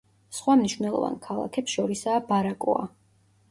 სხვა მნიშვნელოვან ქალაქებს შორისაა ბარაკოა.